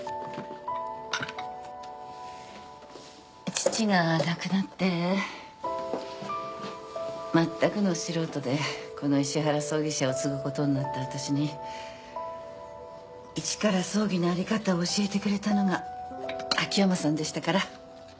父が亡くなってまったくの素人でこの石原葬儀社を継ぐことになった私に一から葬儀の在り方を教えてくれたのが秋山さんでしたから。